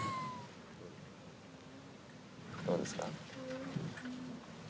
どうですか？